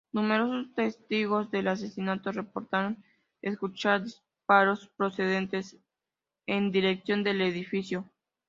Numerosos testigos del asesinato reportaron escuchar disparos procedentes en a dirección del edificio.